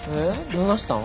どないしたん？